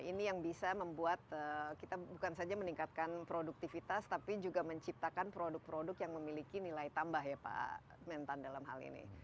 ini yang bisa membuat kita bukan saja meningkatkan produktivitas tapi juga menciptakan produk produk yang memiliki nilai tambah ya pak mentan dalam hal ini